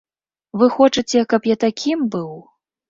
Вы хочаце, каб я такім быў?